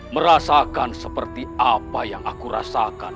merasakan seperti apa yang aku rasakan